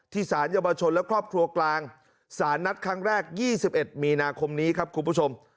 สารเยาวชนและครอบครัวกลางสารนัดครั้งแรก๒๑มีนาคมนี้ครับคุณผู้ชม